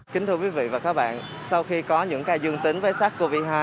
kính thưa quý vị và các bạn sau khi có những ca dương tính với sars cov hai